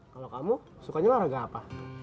kalau kamu sukanya olahraga apa